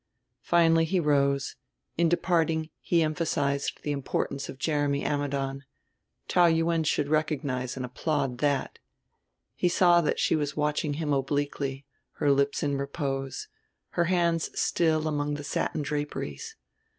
Finally he rose; in departing he emphasized the importance of Jeremy Ammidon Taou Yuen should recognize and applaud that. He saw that she was watching him obliquely, her lips in repose, her hands still among the satin draperies.